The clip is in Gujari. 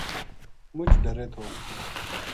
مُچ ڈرے تھو